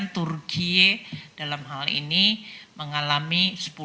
turkiye dalam hal ini mengalami sepuluh empat